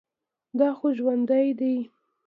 دا خو ژوندى دى.